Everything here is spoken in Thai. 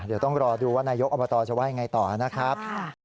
เดี๋ยวต้องรอดูว่านายกอบตจะว่ายังไงต่อนะครับ